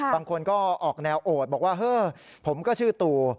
บางคนก็ออกแนวโอดบอกว่าเฮ้อผมก็ชื่อตู